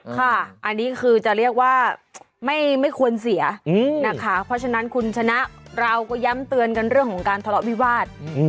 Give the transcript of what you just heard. ค่ะอันนี้คือจะเรียกว่าไม่ควรเสียนะคะเพราะฉะนั้นคุณชนะเราก็ย้ำเตือนกันเรื่องของการทะเลาะวิวาส